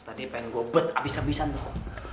tadi pengen gua bet abis abisan dong